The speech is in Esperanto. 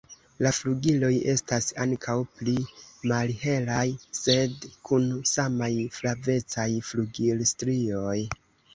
La flugiloj estas ankaŭ pli malhelaj sed kun samaj flavecaj flugilstrioj.